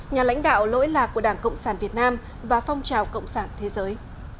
nhà lãnh đạo lỗi lạc của đảng cộng sản việt nam và phong trào cộng sản thế giới